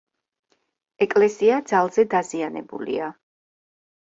ეკლესია ძალზე დაზიანებულია.